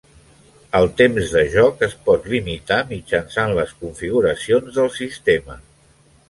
El temps de joc es pot limitar mitjançant les configuracions del sistema.